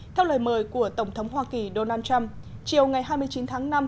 theo lời mời của tổng thống hoa kỳ donald trump chiều ngày hai mươi chín tháng năm